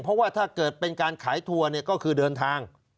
เพราะว่าถ้าเกิดเป็นการขายทัวร์เนี่ยก็คือเดินทาง